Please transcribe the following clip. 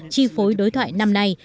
chi phối đối thoại năm nay